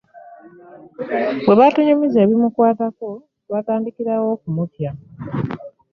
Bwe baatunyumiza ebimukwatako twatandikirawo okumutya.